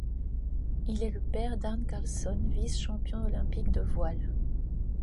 Il est le père d'Arne Karlsson, vice-champion olympique de voile.